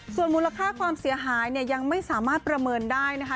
ส่วนมูลค่าความเสียหายเนี่ยยังไม่สามารถประเมินได้นะคะ